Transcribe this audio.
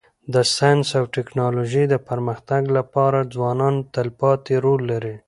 د ساینس او ټکنالوژۍ د پرمختګ لپاره ځوانان تلپاتی رول لري.